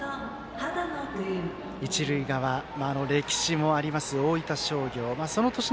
一塁側、歴史もあります大分商業。